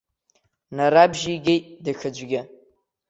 Нарабжьигеит даҽаӡәгьы.